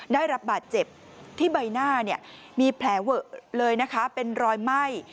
ได้รับบาดเจ็บที่ใบหน้ามีแผลเวอะเลยนะคะเป็นรอยไหม้